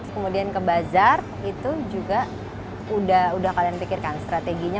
kemudian ke bazar itu juga udah kalian pikirkan strateginya